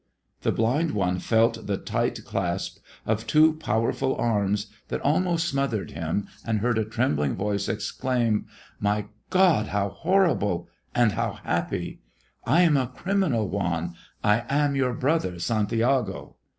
The blind one felt the tight clasp of two powerful arms that almost smothered him, and heard a trembling voice exclaim, "My God, how horrible, and how happy! I am a criminal, Juan! I am your brother Santiago!"